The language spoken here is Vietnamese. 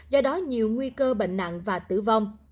do đó nhiều nguy cơ bệnh nặng và tử vong